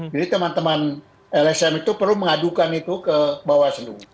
jadi teman teman lsm itu perlu mengadukan itu ke bawaslu